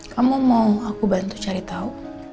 kamu mau aku bantu cari tahu